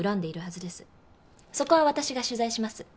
そこは私が取材します。